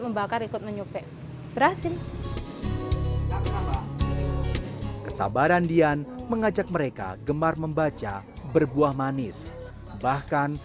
membakar ikut menyupe berasin kesabaran dian mengajak mereka gemar membaca berbuah manis bahkan